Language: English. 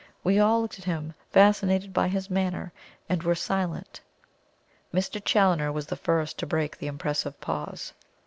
We all looked at him, fascinated by his manner, and were silent. Mr. Challoner was the first to break the impressive pause.